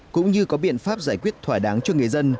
cũng như có biện pháp giải quyết thỏa đáng cho người dân